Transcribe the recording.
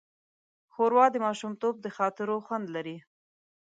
ښوروا د ماشومتوب د خاطرو خوند لري.